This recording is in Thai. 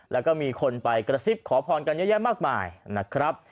แล้วก็มีคนไปกระซิบขอพรกันเยอะแยะมากมายนะครับ